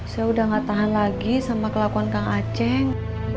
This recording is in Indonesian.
saya udah gak tahan lagi sama kelakuan kang aceh